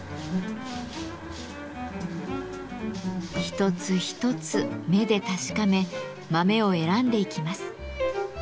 一つ一つ目で確かめ豆を選んでいきます。